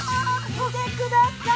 見てください。